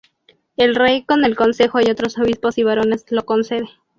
El Rey con el consejo y otros Obispos y barones lo concede.